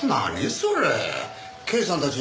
それ刑事さんたち